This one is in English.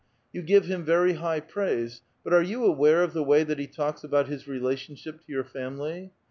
You give him very high praise, but are 3'on aware of the way that he talks about his relationship to your family